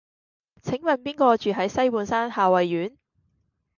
請問邊個住喺西半山夏蕙苑